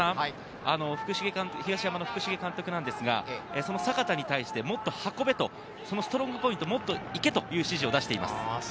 福重監督なんですが、阪田に対して、もっと運べと、そのストロングポイント、もっといけという指示を出しています。